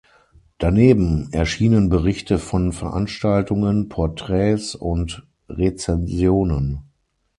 Daneben erschienen Berichte von Veranstaltungen, Porträts und Rezensionen.